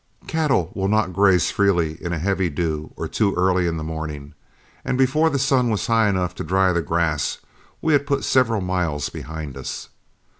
Cattle will not graze freely in a heavy dew or too early in the morning, and before the sun was high enough to dry the grass, we had put several miles behind us.